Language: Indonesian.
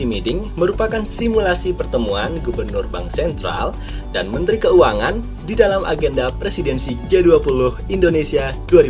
ini meeting merupakan simulasi pertemuan gubernur bank sentral dan menteri keuangan di dalam agenda presidensi g dua puluh indonesia dua ribu dua puluh